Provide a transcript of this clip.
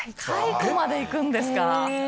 解雇まで行くんですか？